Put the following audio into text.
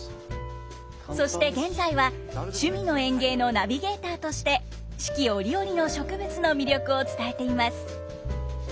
そして現在は「趣味の園芸」のナビゲーターとして四季折々の植物の魅力を伝えています。